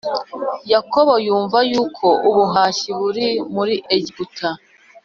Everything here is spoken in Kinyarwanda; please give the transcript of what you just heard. Yakobo yumva yuko ubuhashyi buri muri Egiputa